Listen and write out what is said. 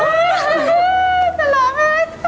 ตลอดมาก